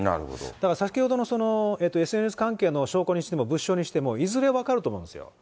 だから先ほどのＳＮＳ関係の証拠にしても、物証にしても、いずれ分かると思うんですよ。